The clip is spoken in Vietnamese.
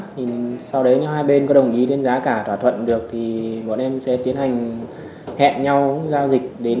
thì sau đấy hai bên có đồng ý đến giá cả thỏa thuận được thì bọn em sẽ tiến hành hẹn nhau giao dịch đến